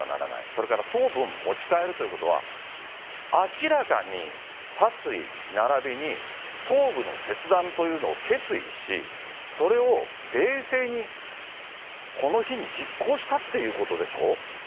それから頭部を持ち帰るということは、明らかに殺意、並びに、頭部の切断というのを決意し、それを冷静に、この日に実行したっていうことでしょ？